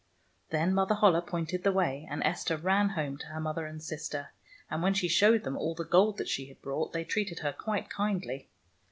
Then Mother Holle pointed the way, and Esther ran home to her mother and sister. And when she showed them all the gold that she had brought, they treated her quite kindly.